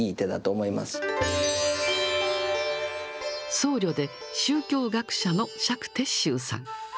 僧侶で宗教学者の釈徹宗さん。